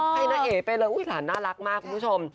น้าเอ๋ไปเลยอุ๊ยหลานน่ารักมากคุณผู้ชม